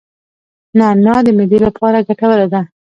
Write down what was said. نعناع د معدې لپاره ګټوره ده